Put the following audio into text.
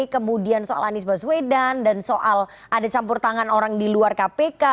kemudian soal anies baswedan dan soal ada campur tangan orang di luar kpk